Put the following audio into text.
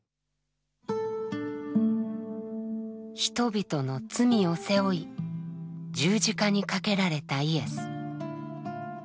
人々の罪を背負い十字架にかけられたイエス。